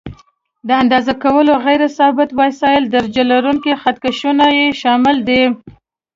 د اندازه کولو غیر ثابت وسایل: درجه لرونکي خط کشونه یې شامل دي.